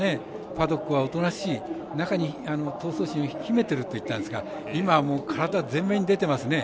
パドックはおとなしい中に闘争心を秘めていると言ったんですが今は体全面に出てますね。